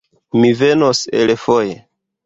Mi venos elfoj